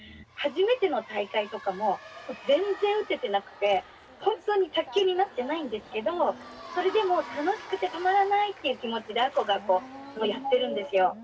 初めての大会とかも全然打ててなくてほんとに卓球になってないんですけどそれでも楽しくてたまらないっていう気持ちで亜子がやってるんですよ。